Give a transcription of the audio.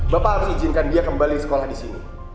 bapak harus izinkan dia kembali sekolah disini